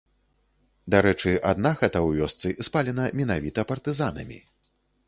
Дарэчы адна хата ў вёсцы спалена менавіта партызанамі.